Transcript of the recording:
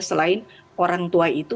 selain orang tua itu